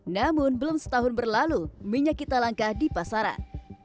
namun belum setahun berlalu minyak kita langka di pasaran